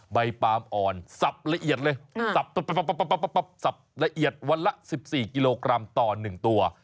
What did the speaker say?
ปลามอ่อนสับละเอียดเลยสับสับละเอียดวันละ๑๔กิโลกรัมต่อ๑ตัว